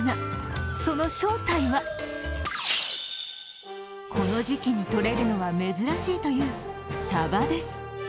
その正体は、この時季にとれるのは珍しいというサバです。